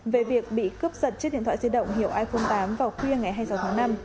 về việc bị cướp giật chiếc điện thoại di động hiệu i tám vào khuya ngày hai mươi sáu tháng năm